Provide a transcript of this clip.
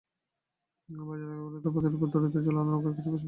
বাজার এলাকাগুলোতে পথের ওপর দড়িতে ঝোলানো নৌকার কিছু পোস্টার দেখা গেছে।